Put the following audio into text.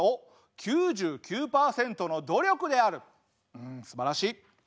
うんすばらしい。